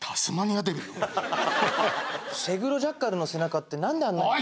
セグロジャッカルの背中って何であんなにオイ！